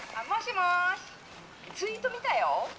「もしもしツイート見たよ。